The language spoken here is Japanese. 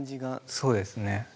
そうですね。